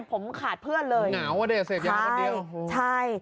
ผมขาดเพื่อนเลยหนาวว่าเดี๋ยวเสพยาเหมือนเดิมใช่ใช่